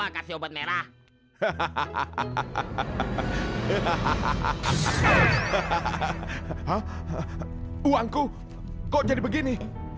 kenapa jadi begini